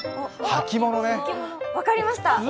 分かりました。